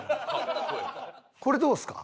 これどうですか？